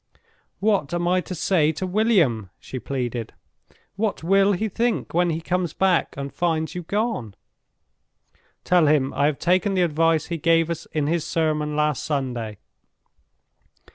"What am I to say to William?" she pleaded. "What will he think when he comes back and finds you gone?" "Tell him I have taken the advice he gave us in his sermon last Sunday.